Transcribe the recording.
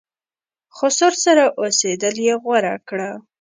خسر سره اوسېدل یې غوره کړه.